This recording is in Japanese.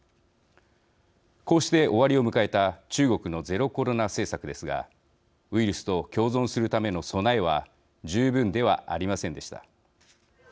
こうして終わりを迎えた中国のゼロコロナ政策ですがウイルスと共存するための備えは十分ではありませんでした。